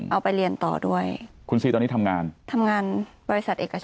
เอาไปเรียนต่อด้วยคุณซีตอนนี้ทำงานทำงานบริษัทเอกชน